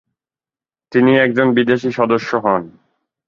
তিনি একজন বিদেশী সদস্য হন।